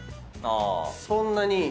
そんなに？